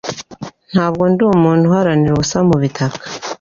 Ntabwo ndi umuntu uharanira ubusa mubitaka